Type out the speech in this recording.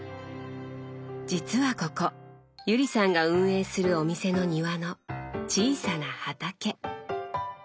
実はここ友里さんが運営するお店の庭の「小さな畑」。